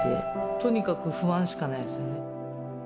とにかく不安しかないですよね。